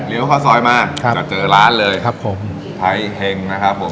เลี้ยวเข้าซอยมาครับจะเจอร้านเลยครับผมไทเฮงนะครับผม